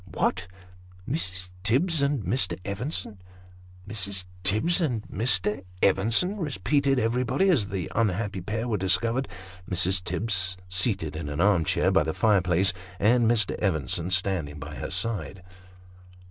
" What ? Mrs. Tibbs and Mr. Evenson !!"" Mrs. Tibbs and Mr. Evenson !" repeated everybody, as that un happy pair were discovered : Mrs. Tibbs seated in an arm chair by the fireplace, and Mr. Evenson standing by her side.